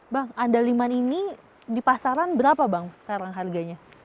bang andaliman ini di pasaran berapa bang sekarang harganya